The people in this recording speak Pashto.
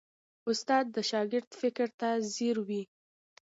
استاد د شاګرد فکر ته ځیر وي.